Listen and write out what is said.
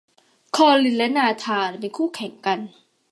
คอลินและนาธานเป็นคู่แข่งกัน